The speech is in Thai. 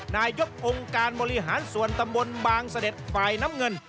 นายกองค์การบริหารส่วนตำบลบางเสด็จฝ่ายน้ำเงิน